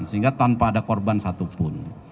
sehingga tanpa ada korban satupun